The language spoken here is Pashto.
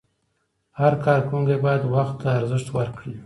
هر کارکوونکی باید وخت ته ارزښت ورکړي.